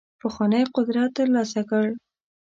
پخوانی قدرت ترلاسه کړ.